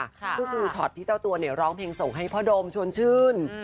ก็คือช็อตที่เจ้าตัวเนี่ยร้องเพลงส่งให้พ่อโดมชวนชื่น